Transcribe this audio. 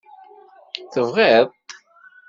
Tebɣiḍ-t?